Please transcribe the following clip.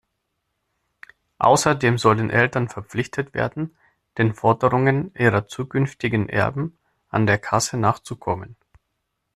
Außerdem sollen Eltern verpflichtet werden, den Forderungen ihrer zukünftigen Erben an der Kasse nachzukommen.